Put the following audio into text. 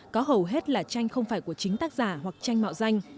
có hầu hết là tranh không phải của chính tác giả hoặc tranh mạo danh